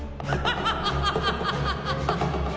ハハハハハ！